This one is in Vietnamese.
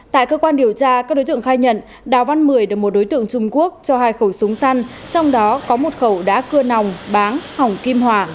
tại cơ quan điều tra các đối tượng khai nhận đào văn mười được một đối tượng trung quốc cho hai khẩu súng săn trong đó có một khẩu đã cưa nòng báng hỏng kim hỏa